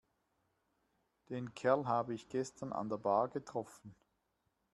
Den Kerl habe ich gestern an der Bar getroffen.